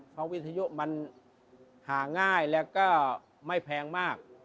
เพราะวิทยุมันหาง่ายแล้วก็ไม่แพงมาก